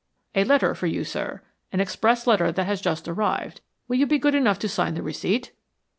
"A letter for you, sir. An express letter which has just arrived. Will you be good enough to sign the receipt?"